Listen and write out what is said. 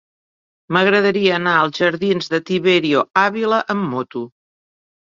M'agradaria anar als jardins de Tiberio Ávila amb moto.